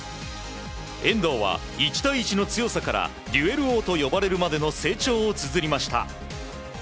遠藤は１対１の強さからデュエル王と呼ばれるまでの成長をつづりました。